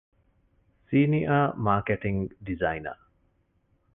ސީނިއަރ މާކެޓިންގ ޑިޒައިނަރ